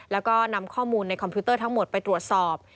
แล้วก็นำข้อมูลในคอมพิวเตอร์ทั้งหมดไปตรวจสอบ